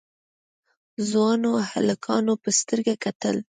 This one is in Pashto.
ځوانو هلکانو په سترګه کتل.